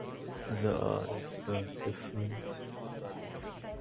The eyes were different.